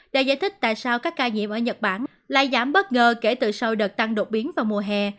đã giải thích tại sao các ca nhiễm ở nhật bản lại giảm bất ngờ kể từ sau đợt tăng đột biến vào mùa hè